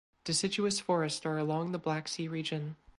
Deciduous forests are along the Black Sea region.